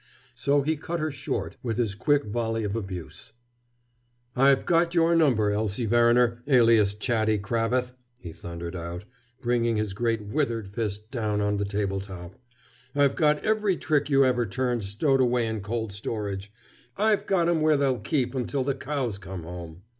So he cut her short with his quick volley of abuse. "I've got your number, Elsie Verriner, alias Chaddy Cravath," he thundered out, bringing his great withered fist down on the table top. "I've got every trick you ever turned stowed away in cold storage. I've got 'em where they'll keep until the cows come home.